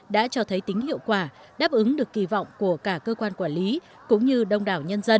đã cho thấy tính hiệu quả đáp ứng được kỳ vọng của cả cơ quan quản lý cũng như đông đảo nhân dân